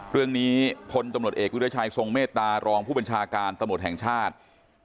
พลตำรวจเอกวิทยาชัยทรงเมตตารองผู้บัญชาการตำรวจแห่งชาติ